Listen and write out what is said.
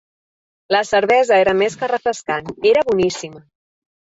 La cervesa era més que refrescant: era boníssima.